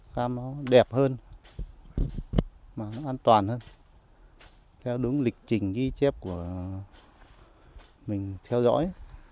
cam nó đẹp hơn mà nó an toàn hơn theo đúng lịch trình ghi chép của mình theo dõi